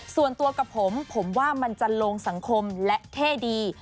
ส่วนตัวกับผมผมว่ามันจะลงสังคมและเท่ดี